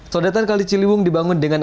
sodetan kali ciliwung dibangun dengan